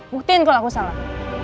buktiin kalau aku salah